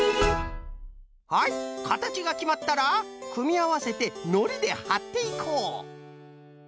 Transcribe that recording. はいかたちがきまったらくみあわせてのりではっていこう。